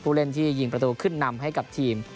เล่นที่ยิงประตูขึ้นนำให้กับทีม